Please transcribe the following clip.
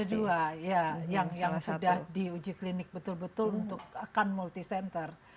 ada dua ya yang sudah diuji klinik betul betul untuk akan multi center